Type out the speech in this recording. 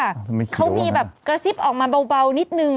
ไม่เคี้ยวนะนี่ค่ะเขามีแบบกระซิบออกมาเบานิดนึง